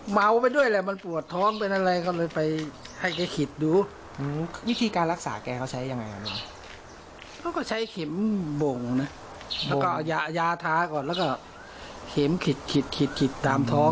ไม่ได้คิด